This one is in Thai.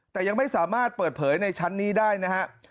แต่ยังไม่สามารถเปิดเผยในชั้นนี้ได้นะฮะ